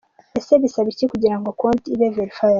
Ese bisaba iki kugira ngo konti ibe verified?.